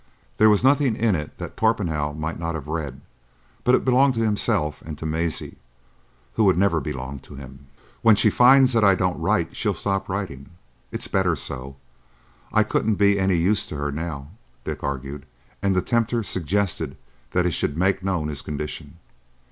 There was nothing in it that Torpenhow might not have read, but it belonged to himself and to Maisie, who would never belong to him. "When she finds that I don't write, she'll stop writing. It's better so. I couldn't be any use to her now," Dick argued, and the tempter suggested that he should make known his condition.